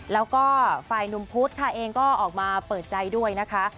แล้วก็ฝ่ายหนุ่มพุธค่ะเองก็ออกมาเปิดใจด้วยนะคะ